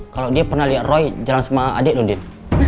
kalo dia pernah liat roy jalan sama adik nundin